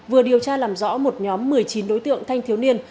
vừa điều tra làm rõ một nhóm một mươi chín đối tượng thanh thiếu niên